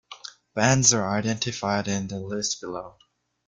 Bands are identified in the list below.